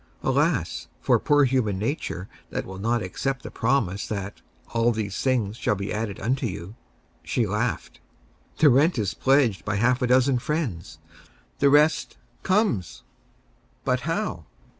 Alas, for poor human nature that will not accept the promise that "all these things shall be added unto you!" She laughed. "The rent is pledged by half a dozen friends. The rest comes." "But how?"